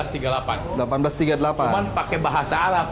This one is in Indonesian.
cuman pakai bahasa arab